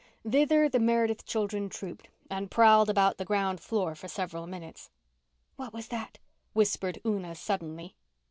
Thither the Meredith children trooped, and prowled about the ground floor for several minutes. "What was that?" whispered Una suddenly.